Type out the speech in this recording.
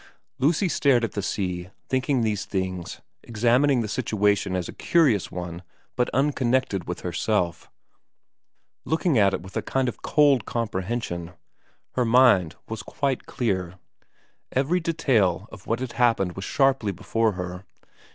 Lucy stared at the sea, thinking these things, ex amining the situation as a curious one but unconnected with herself, looking at it with a kind of cold compre hension. Her mind was quite clear. Every detail of i VERA 5 what had happened was sharply before her.